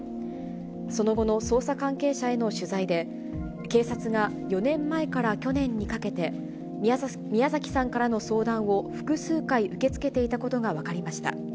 その後の捜査関係者への取材で、警察が４年前から去年にかけて、宮崎さんからの相談を複数回受け付けていたことが分かりました。